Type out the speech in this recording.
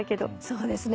そうですね。